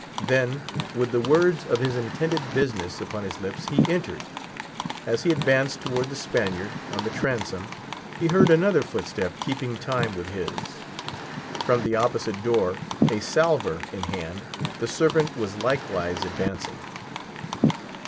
Then, with the words of his intended business upon his lips, he entered. As he advanced toward the seated Spaniard, he heard another footstep, keeping time with his. From the opposite door, a salver in hand, the servant was likewise advancing.